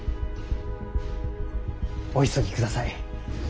お急ぎください。